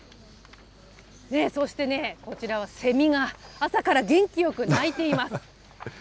そしてね、こちらはセミが、朝から元気よく鳴いています。